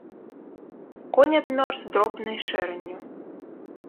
Конь абмёрз дробнай шэранню.